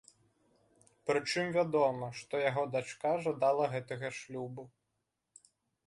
Прычым вядома, што яго дачка жадала гэтага шлюбу.